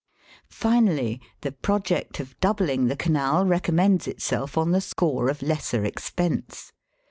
Finally, the project of doubling the Canal recommends itself on the score of lesser expense.